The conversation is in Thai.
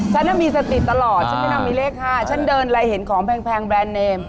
ฉันน่ะมีสติตลอดฉันน่ะมีเลข๕ฉันเดินเลยเห็นของแพงแบรนด์เนม